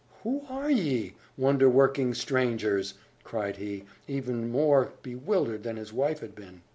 "Who are ye, wonder working strangers!" cried he, even more bewildered than his wife had been.